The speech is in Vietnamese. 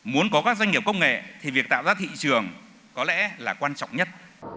muốn có các doanh nghiệp công nghệ thì việc tạo ra thị trường có lẽ là quan trọng nhất